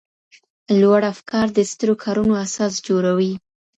لوړ افکار د سترو کارونو اساس جوړوي.